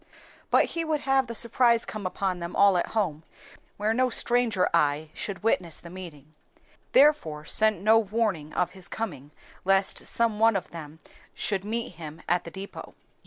But he would have the surprise come upon them all at home, where no stranger eye would witness the meeting; therefore sent no warning of his coming lest some one of them should meet him at the depôt.